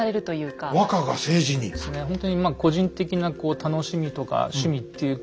ほんとにまあ個人的な楽しみとか趣味っていう